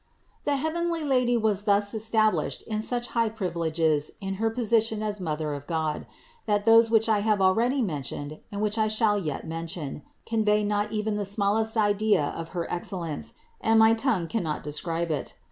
140. The heavenly Lady was thus established in such high privileges in her position as Mother of God, that those which I have already mentioned and which I shall yet mention, convey not even the smallest idea of her excellence, and my tongue cannot describe it.